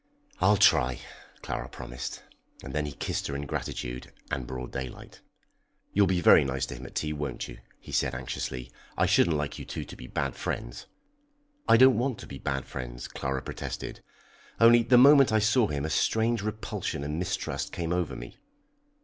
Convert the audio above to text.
"I'll try," Clara promised, and then he kissed her in gratitude and broad daylight. "You'll be very nice to him at tea, won't you?" he said anxiously. "I shouldn't like you two to be bad friends." "I don't want to be bad friends," Clara protested; "only the moment I saw him a strange repulsion and mistrust came over me."